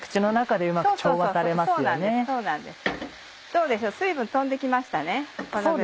どうでしょう水分飛んで来ましたね。